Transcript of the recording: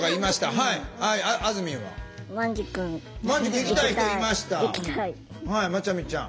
はいまちゃみちゃん。